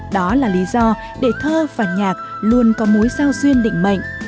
đó là lý do để thơ và nhạc luôn có mối giao duyên định mệnh